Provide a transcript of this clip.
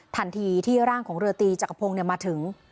ทันทีที่ร่างของเรือตีจักรพงศ์มาถึง